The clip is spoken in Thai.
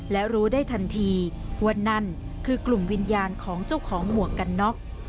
และรู้ได้ทันทีว่านั่นคือกลุ่มวิญญาณของเจ้าของหมวกกันน็อก